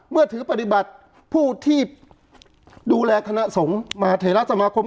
เมื่อถือปฏิบัติผู้ที่ดูแลคณะสงฆ์มหาเทราสมาคม